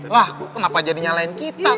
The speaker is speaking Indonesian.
lah kok kenapa jadi nyalain kita